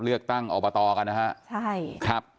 เลือกตั้งออกมาต่อกันนะครับ